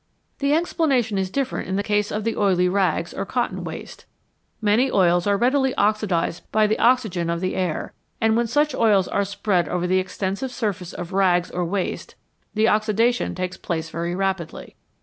The explanation is different in the case of the oily rags or cotton waste. Many oils are readily oxidised by the oxygen of the air, and when such oils are spread over the extensive surface of rags or waste the oxidation takes place very rapidly.